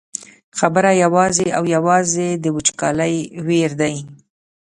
خبره یوازې او یوازې د وچکالۍ ویر دی.